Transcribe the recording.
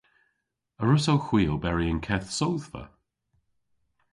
A wrussowgh hwi oberi y'n keth sodhva?